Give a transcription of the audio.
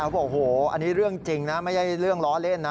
บอกโอ้โหอันนี้เรื่องจริงนะไม่ใช่เรื่องล้อเล่นนะ